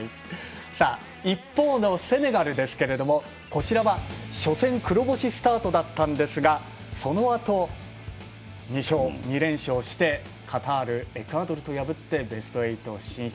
一方のセネガルですけれどもこちらは、初戦黒星スタートだったんですがそのあと、２連勝してカタール、エクアドルと破ってベスト８進出。